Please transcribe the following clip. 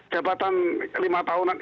jabatan lima tahunan